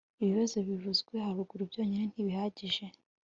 ibibazo bivuzwe haruguru byonyine ntibihagije